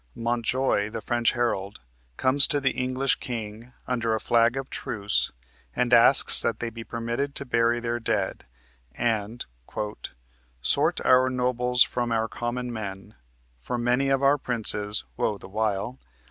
Montjoy, the French herald, comes to the English king under a flag of truce and asks that they be permitted to bury their dead and "Sort our nobles from our common men; For many of our princes (wo the while!)